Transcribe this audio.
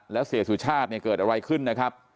แล้วเสียสุชาติเนี่ยเกิดอะไรขึ้นนะครับ